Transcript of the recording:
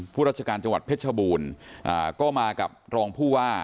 ราชการจังหวัดเพชรชบูรณ์ก็มากับรองผู้ว่า